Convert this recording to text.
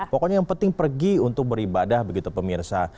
pokoknya yang penting pergi untuk beribadah begitu pemirsa